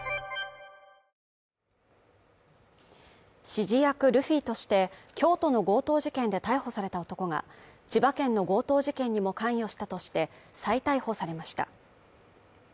指示役ルフィとして、京都の強盗事件で逮捕された男が、千葉県の強盗事件にも関与したとして再逮捕されました。